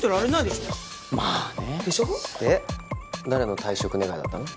で誰の退職願だったの？